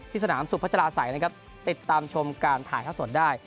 สนามสุพัชราศัยนะครับติดตามชมการถ่ายท่าสดได้